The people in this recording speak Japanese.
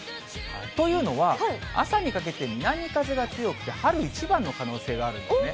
というのは朝にかけて南風が強くて、春一番の可能性があるんですね。